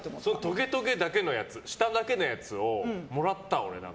とげとげだけのやつ下だけのやつをもらった。